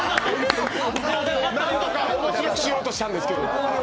何とか面白くしようとしたんですけど。